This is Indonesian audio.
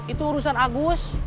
itu urusan agus